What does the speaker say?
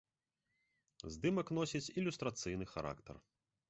Здымак носіць ілюстрацыйны характар.